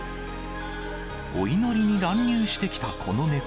お祈りに乱入してきたこの猫。